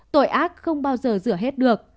tội ác không bao giờ rửa hết được